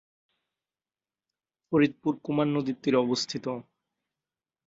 ফরিদপুর কুমার নদীর তীরে অবস্থিত।